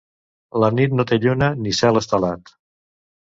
La nit no té lluna ni cel estelat.